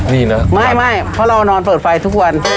นี่นะไม่เพราะเรานอนเปิดไฟทุกวัน